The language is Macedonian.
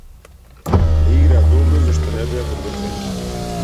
Не играа добро зашто не беа подготвени.